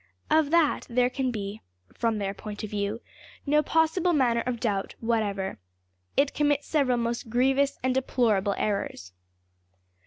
Of that there can be, from their point of view, no possible manner of doubt whatever. It commits several most grievous and deplorable errors.